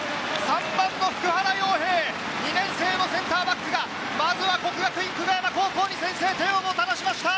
３番の普久原陽平、２年生のセンターバックがまずは國學院久我山高校に先制点をもたらしました！